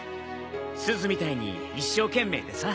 すずみたいに一生懸命でさ。